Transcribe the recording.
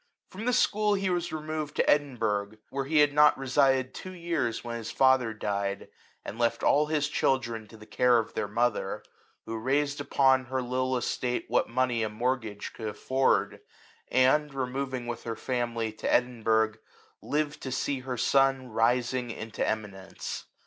From the school he was removed to Edin^ burgh, where he had not resided two years when his father died, and left all his chil dren to the care of their mother, who raised upon her little estate what money a mort gage could afford, and, removing with her family to Edinburgh, lived to see her son rising into eminence.